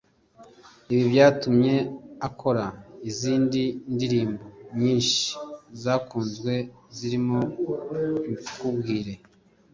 Ibi byatumye akora izindi ndirimbo nyinshi zakunzwe zirimo; Mbikubwire